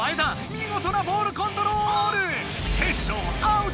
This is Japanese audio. みごとなボールコントロール！